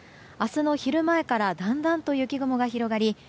明日の昼前からだんだんと雪雲が広がり